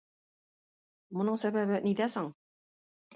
Моның сәбәбе нидә соң?